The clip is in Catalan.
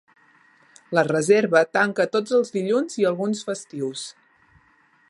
La Reserva tanca tots els dilluns i alguns festius.